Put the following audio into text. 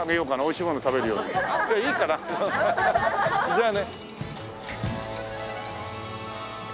じゃあね。